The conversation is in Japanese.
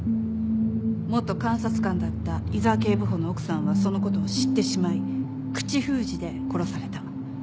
元監察官だった井沢警部補の奥さんはそのことを知ってしまい口封じで殺された。